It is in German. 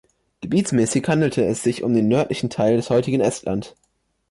Gebietsmäßig handelte es sich um den nördlichen Teil des heutigen Estland.